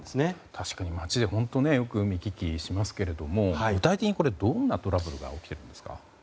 確かに街で本当によく見聞きしますが具体的に、どんなトラブルが起きているんですか？